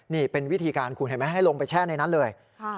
นี่เป็นวิธีการคุณเห็นไหมให้ลงไปแช่ในนั้นเลย